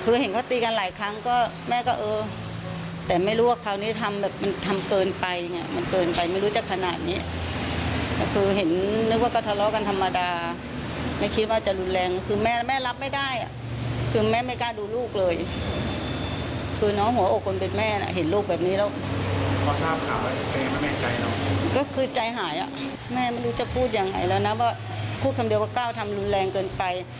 พูดคำเดียวว่าก้าวทำรุนแรงเกินไป